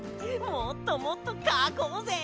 もっともっとかこうぜ！